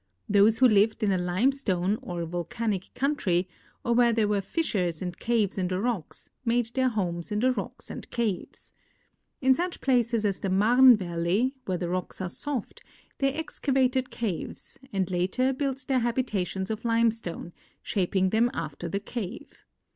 Those who lived in a limestone or volcanic country, or where there were fissures and caves in the rocks, made their homes in the rocks and caves. In such places as the Marne valley, where the rocks are soft, they excavated caves, and later built their habitations of limestone, shaping them after the cave.